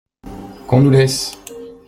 Qu’on nous laisse !